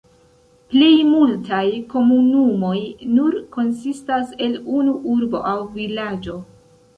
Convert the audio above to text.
Plejmultaj komunumoj nur konsistas el unu urbo aŭ vilaĝo.